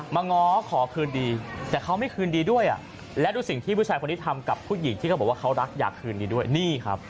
ง้อขอคืนดีแต่เขาไม่คืนดีด้วยและดูสิ่งที่ผู้ชายคนนี้ทำกับผู้หญิงที่เขาบอกว่าเขารักอยากคืนดีด้วยนี่ครับ